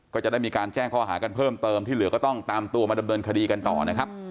ก็จะได้มีการแจ้งข้อหากันเพิ่มเติมที่เหลือก็ต้องตามตัวมาดำเนินคดีกันต่อนะครับ